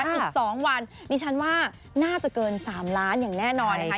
อีก๒วันดิฉันว่าน่าจะเกิน๓ล้านอย่างแน่นอนนะคะ